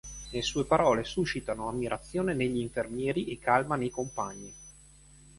Le sue parole suscitano ammirazione negli infermieri e calma nei compagni.